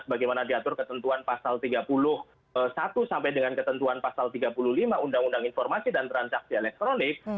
bagaimana diatur ketentuan pasal tiga puluh satu sampai dengan ketentuan pasal tiga puluh lima undang undang informasi dan transaksi elektronik